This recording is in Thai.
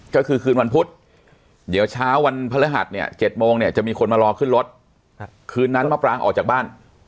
ก็คือคืนวันพุธเดี๋ยวเช้าวันพฤหัสเนี่ย๗โมงเนี่ยจะมีคนมารอขึ้นรถคืนนั้นมะปรางออกจากบ้าน